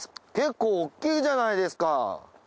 結構大きいじゃないですか。